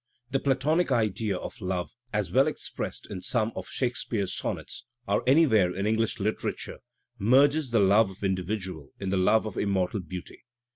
'" The Platonic idea of love, as well expressed in some of Shakespeare's sonnets as anywhere in English literature, merges the love of individuals in the love of immortal beauty.